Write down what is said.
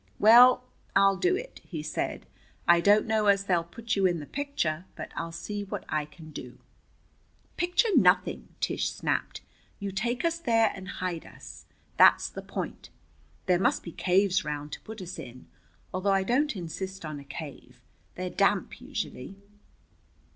"Well, I'll do it," he said. "I don't know as they'll put you in the picture, but I'll see what I can do." "Picture nothing!" Tish snapped. "You take us there and hide us. That's the point. There must be caves round to put us in, although I don't insist on a cave. They're damp usually."